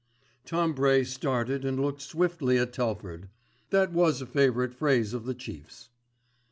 Tom Bray started and looked swiftly at Telford. That was a favourite phrase of the chief's.